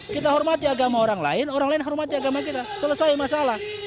kita hormati agama orang lain orang lain hormati agama kita selesai masalah